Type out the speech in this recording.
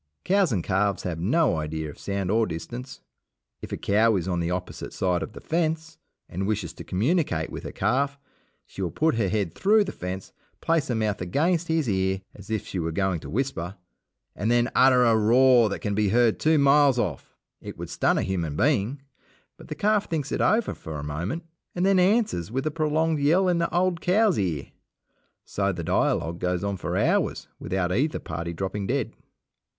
Cows and calves have no idea of sound or distance. If a cow is on the opposite side of the fence, and wishes to communicate with her calf, she will put her head through the fence, place her mouth against his ear as if she were going to whisper, and then utter a roar that can be heard two miles off. It would stun a human being; but the calf thinks it over for a moment, and then answers with a prolonged yell in the old cow's ear. So the dialogue goes on for hours without either party dropping dead.